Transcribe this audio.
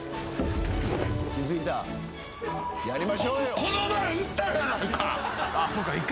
この前行ったじゃないか。